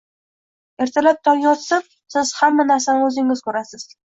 Ertalab tong otsin, siz hamma narsani o'zingiz ko'rasiz: